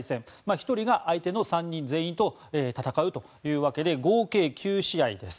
１人が相手の３人全員と戦うわけで合計９試合です。